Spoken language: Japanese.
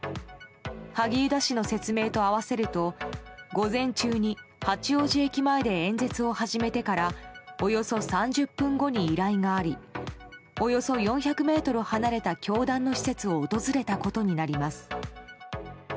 萩生田氏の説明と合わせると午前中に八王子駅前で演説を始めてからおよそ３０分後に依頼がありおよそ４００ｍ離れた教団の施設を訪れたことになります。